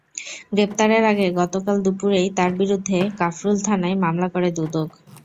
গ্রেপ্তারের আগে গতকাল দুপুরেই তাঁর বিরুদ্ধে কাফরুল থানায় মামলা করে দুদক।